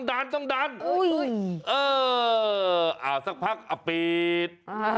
โอ้ยเออสักพักอับบิน